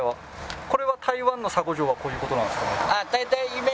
これは台湾の沙悟浄はこういう事なんですか？